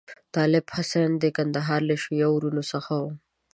طالب حسین د کندهار له شیعه وروڼو څخه وو.